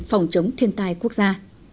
phòng chống thiên tai quốc gia